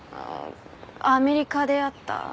アメリカで会った？